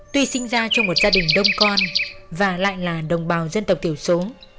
tuy sinh ra trong một gia đình đông con và lại là đồng bào dân tộc thiểu số